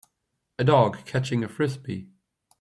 A dog catching a Frisbee.